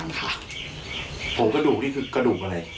โครงกระดูกนี่คือกระดูกอะไร